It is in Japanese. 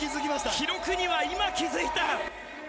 記録には今気付いた。